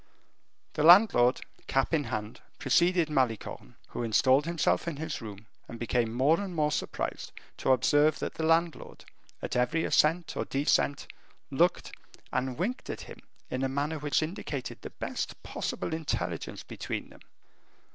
The landlord, cap in hand, preceded Malicorne, who installed himself in his room, and became more and more surprised to observe that the landlord, at every ascent or descent, looked and winked at him in a manner which indicated the best possible intelligence between them.